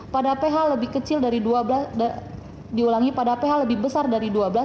pada ph lebih kecil dari dua belas diulangi pada ph lebih besar dari dua belas